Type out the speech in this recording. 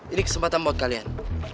ini kesempatan buat kalian